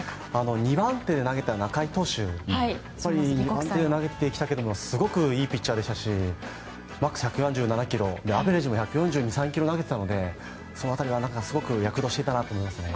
２番手で投げた仲井投手はすごくいいピッチャーでしたしマックス１４７キロアベレージも１４２１４３キロ投げていたのでその辺りはすごく躍動していたなと思いますね。